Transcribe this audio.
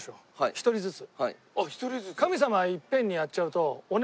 一人ずつ？